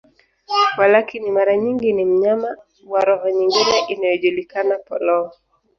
Walakini, mara nyingi ni mnyama wa roho nyingine inayojulikana, polong.